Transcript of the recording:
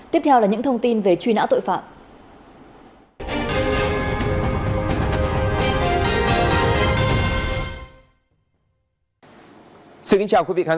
tiếp theo là những thông tin về truy nã tội phạm